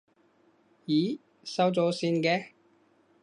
咦，收咗線嘅？